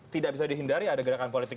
tidak bisa dihindari ada gerakan politik